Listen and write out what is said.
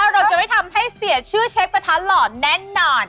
เราจะไม่ทำให้เสียชื่อเชฟกระทะหล่อแน่นอน